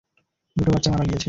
দুটো বাচ্চা মারা গিয়েছে!